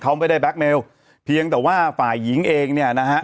เขาไม่ได้แบล็คเมลเพียงแต่ว่าฝ่ายหญิงเองเนี่ยนะฮะ